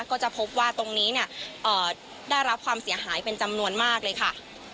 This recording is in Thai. ก็จะพบว่าตรงนี้เนี่ยได้รับความเสียหายเป็นจำนวนมากเลยค่ะ